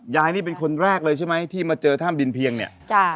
นี่เป็นคนแรกเลยใช่ไหมที่มาเจอถ้ำดินเพียงเนี่ย